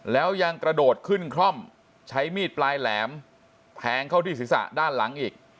แล้วยังกระโดดขึ้นคล่อมใช้มีดปลายแหลมแทงเข้าที่ศีรษะด้านหลังอีก